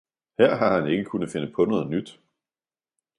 »Her har han ikke kunnet finde paa noget Nyt!